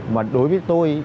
mà đối với tôi